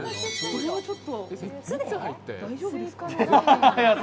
これはちょっと大丈夫ですか？